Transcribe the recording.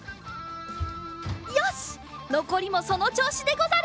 よしのこりもそのちょうしでござる。